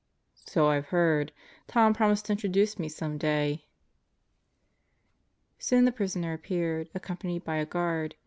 "So I've heard. Tom promised to introduce me some day." Soon the prisoner appeared, accompanied by a guard.